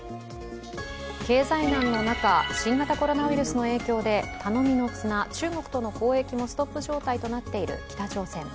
経済難の中、新型コロナウイルスの影響で、頼みの綱中国との交易もストップ状態となっている北朝鮮。